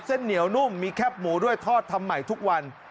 เส้นเหนียวนุ่มมีแคบหมูด้วยทอดทำใหม่ทุกวัน